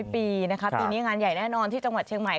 ปีนะคะปีนี้งานใหญ่แน่นอนที่จังหวัดเชียงใหม่